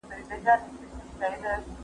له بهاره د خزان بادونه زېږي